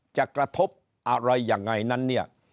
จะกระทบอะไรยังไงนั้นเนี่ย